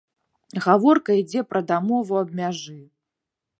Гаворка ідзе пра дамову аб мяжы.